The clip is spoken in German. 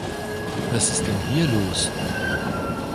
Was ist den hier los?